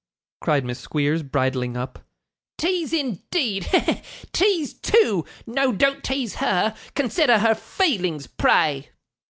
cried Miss Squeers, bridling up. 'Tease, indeed! He, he! Tease, too! No, don't tease her. Consider her feelings, pray!